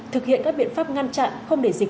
thực hiện các biện pháp ngăn chặn không để dịch